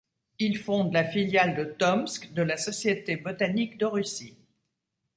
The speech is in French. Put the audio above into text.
Il fonde la filiale de Tomsk de la Société botanique de Russie.